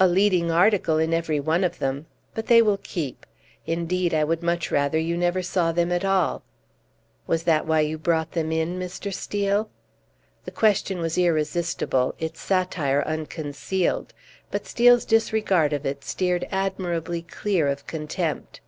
"A leading article in every one of them. But they will keep. Indeed, I would much rather you never saw them at all." "Was that why you brought them in, Mr. Steel?" The question was irresistible, its satire unconcealed; but Steel's disregard of it steered admirably clear of contempt.